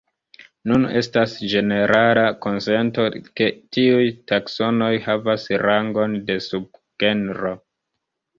Nun estas ĝenerala konsento ke tiuj taksonoj havas rangon de subgenro.